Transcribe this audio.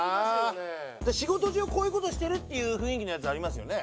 仕事上こういう事してるっていう雰囲気のやつありますよね。